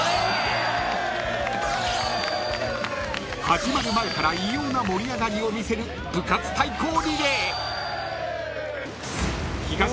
［始まる前から異様な盛り上がりを見せる部活対抗リレー］